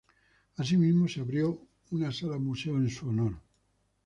Asimismo se abrió una sala–museo en su honor.